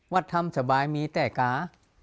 วัดธรรมสบายมีแต่กะ